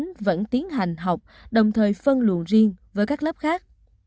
các trường hợp vẫn tiến hành học đồng thời phân luận riêng với các lớp khác